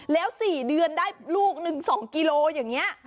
แล้ว๔เดือนได้ลูกหนึ่ง๒กิโลอย่างนี้